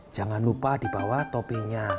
jangan lupa dibawa topinya